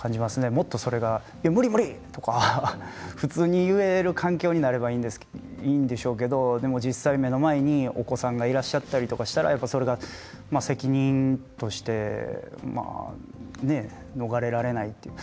もっと、それが無理無理とか普通に言える環境になればいいんですけど実際、目の前にお子さんがいらっしゃったりしたらそれが責任として逃れられないというか。